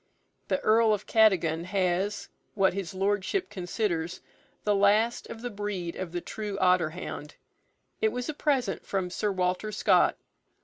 The Earl of Cadogan has, what his Lordship considers, the last of the breed of the true otter hound. It was a present from Sir Walter Scott.